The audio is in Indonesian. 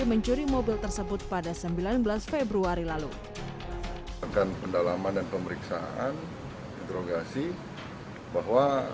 mencuri mobil tersebut pada sembilan belas februari lalu akan pendalaman dan pemeriksaan interogasi bahwa